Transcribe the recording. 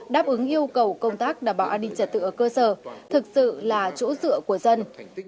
đáp ứng yêu cầu công tác đảm bảo an ninh trật tự ở cơ sở thực sự là chỗ dựa của dân